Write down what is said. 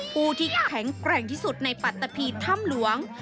ผู้ที่แข็งแกร่งที่สุดในปัตตะพีถ้ำหลวง